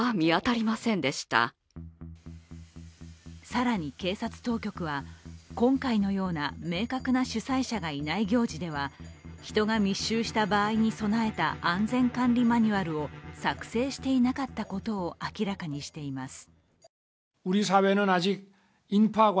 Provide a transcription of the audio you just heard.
更に警察当局は今回のような明確な主催者がいない行事では人が密集した場合に備えた安全管理マニュアルを作成していなかったことを明らかにしています。